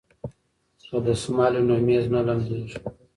که دستمال وي نو میز نه لمدیږي.